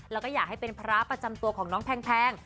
แล้วก็อยากให้เป็นพระประจำตัวของน้องแพง